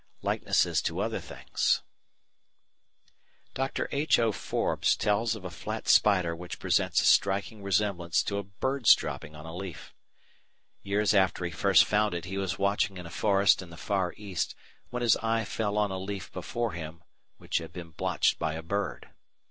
§ 4 Likeness to Other Things Dr. H. O. Forbes tells of a flat spider which presents a striking resemblance to a bird's dropping on a leaf. Years after he first found it he was watching in a forest in the Far East when his eye fell on a leaf before him which had been blotched by a bird.